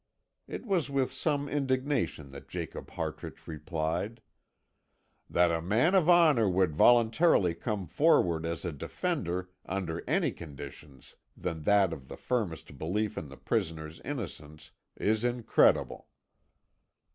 It was with some indignation that Jacob Hartrich replied, "That a man of honour would voluntarily come forward as a defender under any conditions than that of the firmest belief in the prisoner's innocence is incredible."